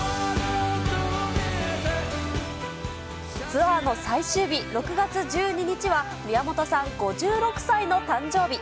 ツアーの最終日、６月１２日は、宮本さん５６歳の誕生日。